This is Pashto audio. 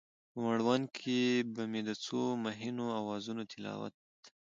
په مړوند کې به مې د څو مهینو اوازونو تلاوت،